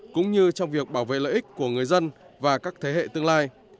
cũng như trong việc bảo vệ lợi ích của người dân và các thế hệ tương lai